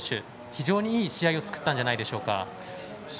非常にいい試合を作ったんじゃないでしょうか。